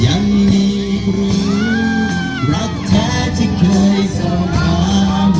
ยังมีกลุ่มรักแท้ที่เคยสว่าง